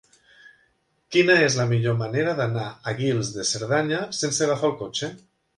Quina és la millor manera d'anar a Guils de Cerdanya sense agafar el cotxe?